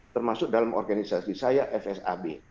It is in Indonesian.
termasuk dalam organisasi saya fsab